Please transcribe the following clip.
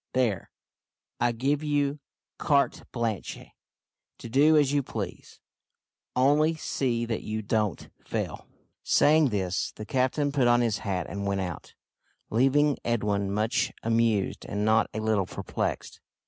There, I give you carte blanche to do as you please only see that you don't fail." Saying this, the captain put on his hat and went out, leaving Edwin much amused and not a little perplexed.